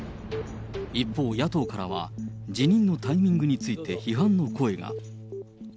一方、野党からは辞任のタイミングについて批判の声が。